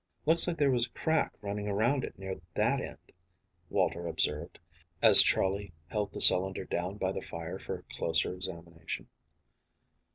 "Looks like there was a crack running around it near that end," Walter observed, as Charley held the cylinder down by the fire for closer examination.